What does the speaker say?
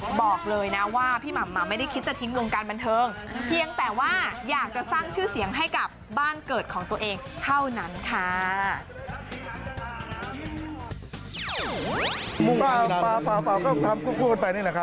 บอกเลยนะว่าพี่หม่ำไม่ได้คิดจะทิ้งวงการบันเทิงเพียงแต่ว่าอยากจะสร้างชื่อเสียงให้กับบ้านเกิดของตัวเองเท่านั้นค่ะ